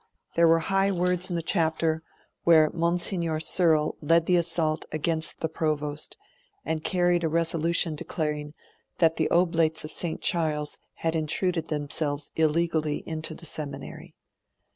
There were high words in the Chapter, where Monsignor Searle led the assault against the Provost, and carried a resolution declaring that the Oblates of St. Charles had intruded themselves illegally into the Seminary.